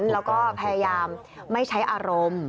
แล้วก็พยายามไม่ใช้อารมณ์